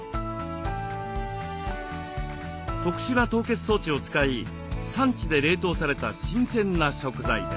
特殊な凍結装置を使い産地で冷凍された新鮮な食材です。